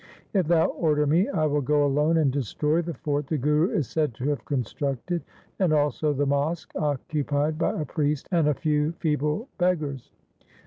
If thou order me, I will go alone and destroy the fort the Guru is said to have constructed, and also the mosque occupied by a priest and a few feeble beggars.